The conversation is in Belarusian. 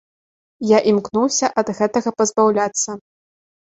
Я імкнуся ад гэтага пазбаўляцца.